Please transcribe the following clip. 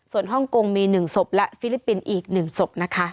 ส่วนฮ่องกงมี๑ศพและฟิลิปปินส์อีก๑ศพนะคะ